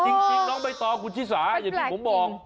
จริงน้องใบตองคุณชิสาอย่างที่ผมบอก